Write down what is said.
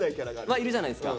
はいるじゃないですか。